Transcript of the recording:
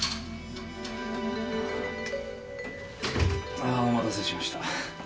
ああお待たせしました。